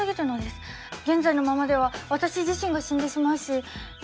現在のままでは私自身が死んでしまうしあまりに惨めです。